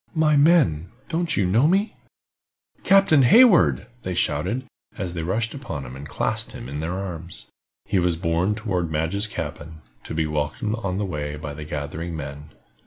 "My men, don't you know me?" "Captain Hayward!" they shouted, as they rushed upon him, and clasped him in their arms. He was borne toward Madge's cabin, to be welcomed on the way by the gathering men.